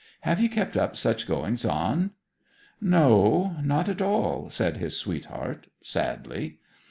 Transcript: Have you kept up such goings on?' 'No, not at all!' said his sweetheart, sadly.